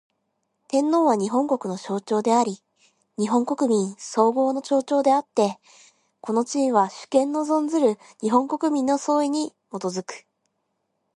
天皇は、日本国の象徴であり日本国民統合の象徴であつて、この地位は、主権の存する日本国民の総意に基く。